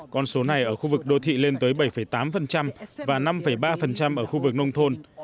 con số này ở khu vực đô thị lên tới bảy tám và năm ba ở khu vực nông thôn